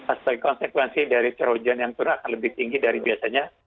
aspek konsekuensi dari curah hujan yang turun akan lebih tinggi dari biasanya